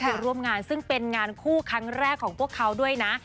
ไปร่วมงานซึ่งเป็นงานคู่ครั้งแรกของพวกเขาด้วยนะ